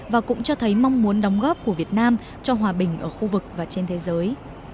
và cũng cho thấy mong muốn đóng góp của việt nam cho hòa bình ở khu vực và trên thế giới